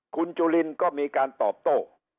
คุณจุลินก็มีการตอบโต้